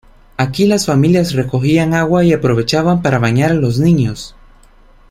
Aquí las familias recogían agua y aprovechaban para bañar a los niños.